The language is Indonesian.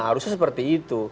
harusnya seperti itu